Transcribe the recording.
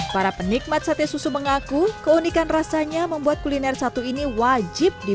para penikmat sate susu mengaku keunikan rasanya membuat kuliner satu ini wajib